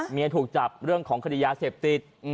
ถูกจับเรื่องของคดียาเสพติด